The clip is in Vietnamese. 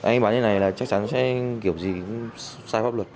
anh ấy bán như thế này là chắc chắn kiểu gì cũng sai pháp luật